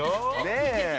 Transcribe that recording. ねえ。